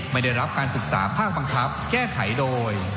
ประสบภาพบังคับแก้ไขโดย